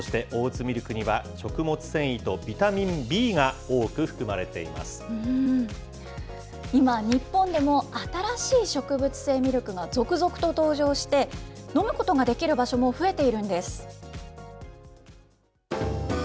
そしてオーツミルクには、食物繊維とビタミンＢが多く含まれてい今、日本でも新しい植物性ミルクが続々と登場して、飲むことができる場所も増えているんです。